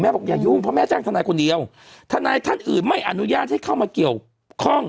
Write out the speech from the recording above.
บอกอย่ายุ่งเพราะแม่จ้างทนายคนเดียวทนายท่านอื่นไม่อนุญาตให้เข้ามาเกี่ยวข้อง